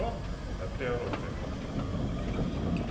やってやろうぜ。